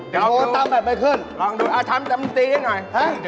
โชว์ตำแบบไม่เข้นลองดูเอาทำกับตีนี่หน่อย